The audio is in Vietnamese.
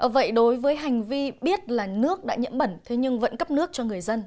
vậy đối với hành vi biết là nước đã nhiễm bẩn thế nhưng vẫn cấp nước cho người dân